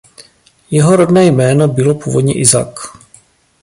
Jeho rodné jméno bylo původně "Isaac".